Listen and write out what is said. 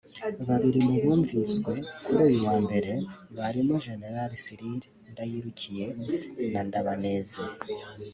Babiri mu bumviswe kuri uyu wa Mbere barimo Gen Cyrille Ndayirukiye na Ndabaneze